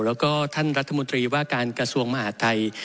แล้วก็ท่านรัฐมนตรีว่าการกระทรวงมหาดไทย